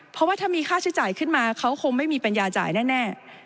เพราะว่าถ้ามีค่าใช้จ่ายขึ้นมาเขาคงไม่มีปัญญาจ่ายแน่